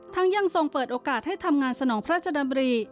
ยังทรงเปิดโอกาสให้ทำงานสนองพระราชดำรี